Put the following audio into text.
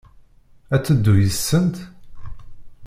Ad d-teddu yid-sent?